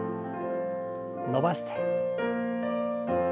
伸ばして。